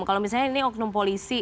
kalau misalnya ini oknum polisi